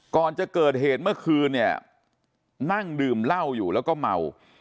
ก่อนจะเกิดเหตุเมื่อคืนเนี่ยนั่งดื่มเหล้าอยู่แล้วก็เมา